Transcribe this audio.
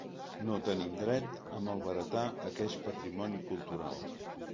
No tenim dret a malbaratar aqueix patrimoni cultural.